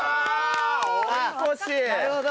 なるほど！